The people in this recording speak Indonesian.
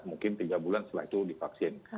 mungkin tiga bulan setelah itu divaksin